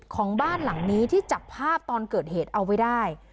ของบ้านหลังนี้ที่จับภาพตอนเกิดเหตุเอาไว้ได้